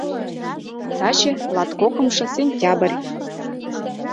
— Таче латкокымшо сентябрь.